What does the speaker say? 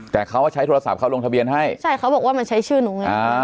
แต่เขาใช้โทรศัพท์เขาลงทะเบียนให้ใช่เขาบอกว่ามันใช้ชื่อหนูไงอ่า